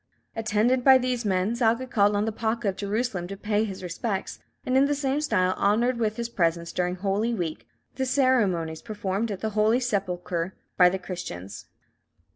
Attended by these men, Zaga called on the pacha of Jerusalem to pay his respects, and in the same style honoured with his presence, during Holy Week, the ceremonies performed at the Holy Sepulchre by the Christians.